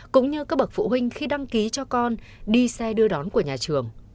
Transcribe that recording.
cũng như các bậc phụ huynh khi đăng ký cho con đi xe đưa đón của nhà trường